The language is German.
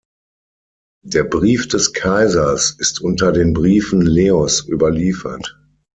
Der Brief des Kaisers ist unter den Briefen Leos überliefert.